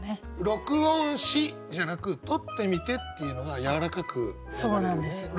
「録音し」じゃなく「録ってみて」っていうのがやわらかく流れるよね。